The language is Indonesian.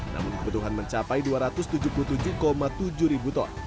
namun kebutuhan mencapai dua ratus tujuh puluh tujuh tujuh ribu ton